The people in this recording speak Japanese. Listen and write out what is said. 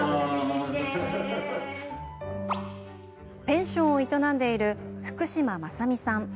ペンションを営んでいる福島雅三さん。